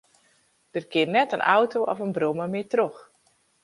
Der kin net in auto of in brommer mear troch.